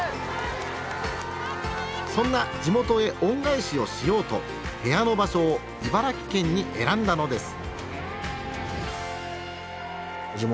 そんな地元へ恩返しをしようと部屋の場所を茨城県に選んだのです。